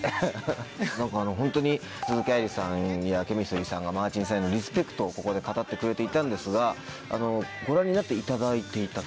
ホントに鈴木愛理さんやＣＨＥＭＩＳＴＲＹさんがマーチンさんへのリスペクトをここで語ってくれていたんですがご覧になっていただいていたと。